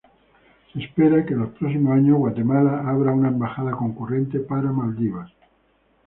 Se espera que en los próximos años Guatemala abra una embajada concurrente para Maldivas.